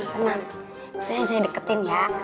itu yang saya deketin ya